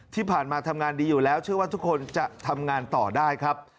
ที่ผ่านมาทำงานดีอยู่แล้วเชื่อว่าทุกคนจะทำงานต่อได้ครับ